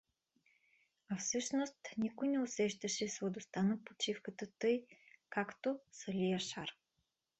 А всъщност никой не усещаше сладостта на почивката тъй, както Сали Яшар.